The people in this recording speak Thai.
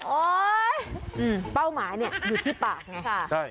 โอ๊ยเป้าหมายเนี่ยอยู่ที่ปากไง